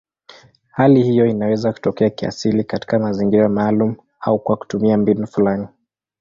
Hali hiyo inaweza kutokea kiasili katika mazingira maalumu au kwa kutumia mbinu fulani.